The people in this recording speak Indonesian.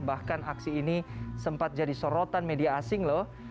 bahkan aksi ini sempat jadi sorotan media asing loh